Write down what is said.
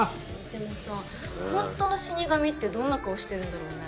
でもさ本当の死神ってどんな顔してるんだろうね。